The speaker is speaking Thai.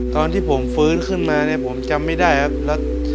ตอนที่ผมฟื้นขึ้นมาเนี่ยผมจำไม่ได้ครับ